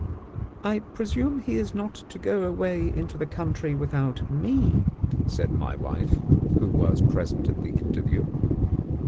"I presume he is not to go away into the country without ME," said my wife, who was present at the interview.